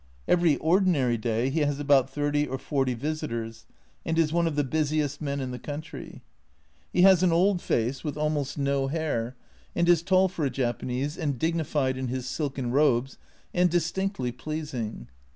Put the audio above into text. Every ordinary day he has about thirty or forty visitors, and is one of the busiest men in the country. He has an old face, with almost A Journal from Japan 71 no hair, and is tall for a Japanese, and dignified in his silken robes, and distinctly pleasing.